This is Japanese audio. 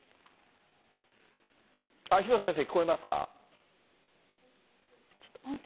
廣瀬先生、聞こえますか？